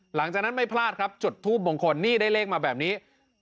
หลังจากนั้นไม่พลาดครับจุดทูปมงคลนี่ได้เลขมาแบบนี้